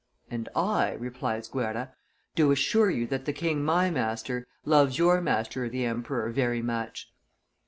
'And I,' replies Guerra, 'do assure you that the king my master loves your master the emperor very much.